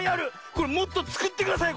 これもっとつくってください！